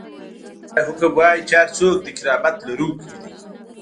دا حکم وايي چې هر څوک د کرامت لرونکی دی.